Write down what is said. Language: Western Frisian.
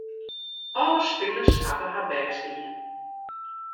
Alle spilers hawwe har bêst dien.